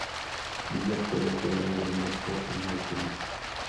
Miller fue declarado muerto en la escena.